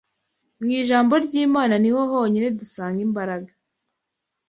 Mu ijambo ry’Imana ni ho honyine dusanga imbaraga